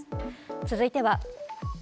続いては。